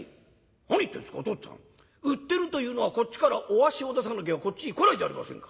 「何言ってんですかお父っつぁん売ってるというのはこっちからお足を出さなきゃこっちへ来ないじゃありませんか。